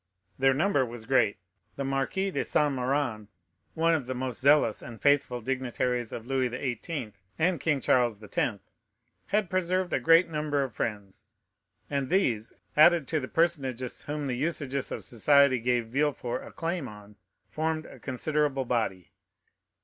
Their number was great. The Marquis de Saint Méran, one of the most zealous and faithful dignitaries of Louis XVIII. and King Charles X., had preserved a great number of friends, and these, added to the personages whom the usages of society gave Villefort a claim on, formed a considerable body.